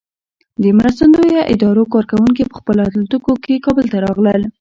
د مرستندویه ادارو کارکوونکي په خپلو الوتکو کې کابل ته راغلل.